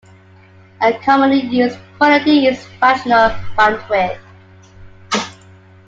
A commonly used quantity is fractional bandwidth.